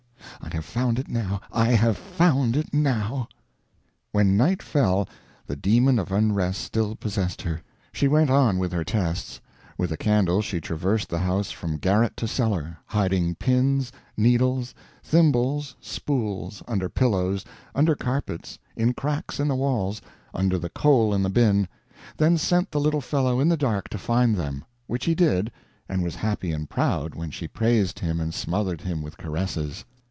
I have found it now I have found it now." When night fell, the demon of unrest still possessed her. She went on with her tests; with a candle she traversed the house from garret to cellar, hiding pins, needles, thimbles, spools, under pillows, under carpets, in cracks in the walls, under the coal in the bin; then sent the little fellow in the dark to find them; which he did, and was happy and proud when she praised him and smothered him with caresses.